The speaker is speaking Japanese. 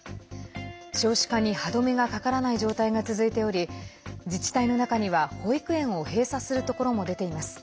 少子化に歯止めがかからない状態が続いており自治体の中には保育園を閉鎖するところも出ています。